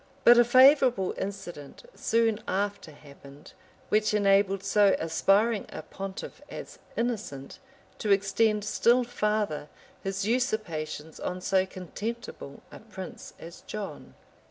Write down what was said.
But a favorable incident soon after happened, which enabled so aspiring a pontiff as Innocent to extend still farther his usurpations on so contemptible a prince as John.